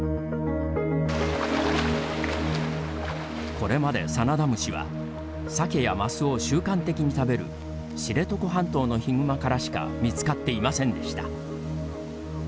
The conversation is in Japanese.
これまでサナダムシはサケやマスを習慣的に食べる知床半島のヒグマからしか見つかっていませんでした。